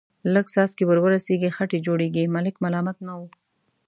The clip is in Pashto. لږ څاڅکي ور ورسېږي، خټې جوړېږي، ملک ملامت نه و.